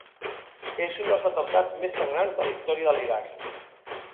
És un dels atemptats més sagnants de la història de l’Iraq.